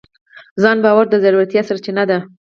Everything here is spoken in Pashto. ځان باور د زړورتیا سرچینه ده.